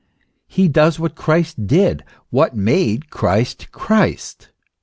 He does what Christ did, what made Christ Christ.